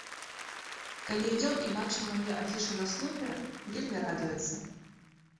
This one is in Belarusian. Калі ідзём і бачым мае афішы на слупе, вельмі радуецца.